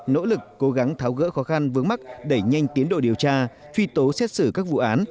nỗ lực cố gắng tháo gỡ khó khăn vướng mắt đẩy nhanh tiến độ điều tra truy tố xét xử các vụ án